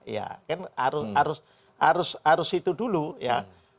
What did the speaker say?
ya kan harus itu dulu ya